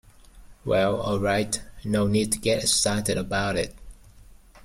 Well, all right, no need to get excited about it.